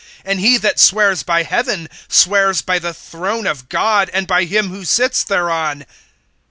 (22)And he that swears by heaven, swears by the throne of God, and by him who sits thereon.